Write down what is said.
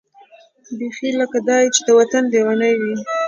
بېخي لکه دای چې د وطن لېونۍ وي.